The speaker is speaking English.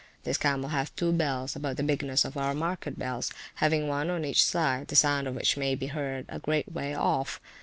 This camel hath two bells, about the bigness of our market bells, having one on each side, the sound of which may be heard a great way off.